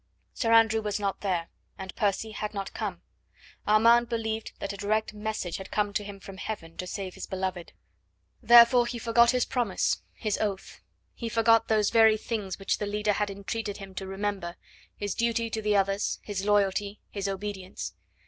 Sir Andrew was not there, and Percy had not come. Armand believed that a direct message had come to him from heaven to save his beloved. Therefore he forgot his promise his oath; he forgot those very things which the leader had entreated him to remember his duty to the others, his loyalty, his obedience.